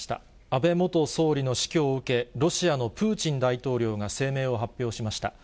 安倍元総理の死去を受け、ロシアのプーチン大統領が声明を発表しました。